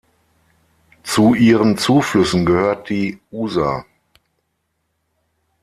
Zu ihren Zuflüssen gehört die Usa.